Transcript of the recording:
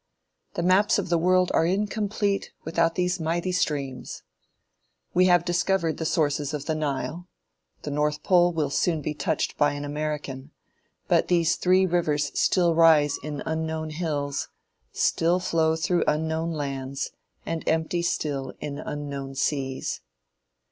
The maps of the world are incomplete without these mighty streams. We have discovered the sources of the Nile; the North Pole will soon be touched by an American; but these three rivers still rise in unknown hills, still flow through unknown lands, and empty still in unknown seas.